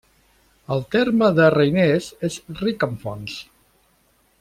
El terme de Reiners és ric en fonts.